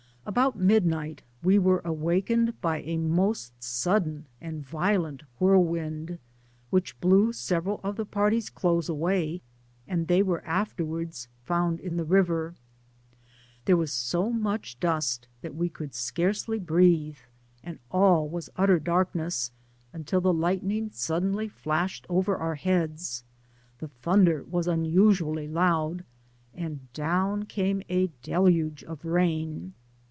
About midnight we were awakened by a most sudden and violent whirlwind, whidi blew several of the party's clothes away, and they were afterwards found in the river. Th^« was BO much dust that we could scarcely breathe, and all was utter darkness until the light* ning suddenly flashed over our heads : the thunder was unusually loud, and down came a deluge of rain.